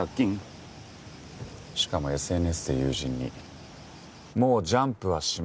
しかもＳＮＳで友人に「もうジャンプはしません」。